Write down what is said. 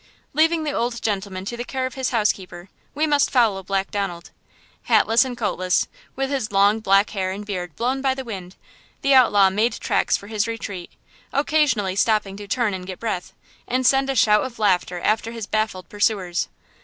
Leaving the old gentleman to the care of his housekeeper, we must follow Black Donald. Hatless and coatless, with his long black hair and beard blown by the wind, the outlaw made tracks for his retreat–occasionally stopping to turn and get breath, and send a shout of laughter after his baffled pursuers.